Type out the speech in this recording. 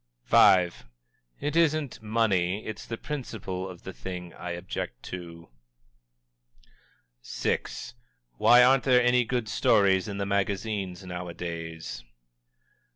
_" V. "It isn't money, it's the PRINCIPLE of the thing I object to." VI. "_Why aren't there any good stories in the magazines, nowadays?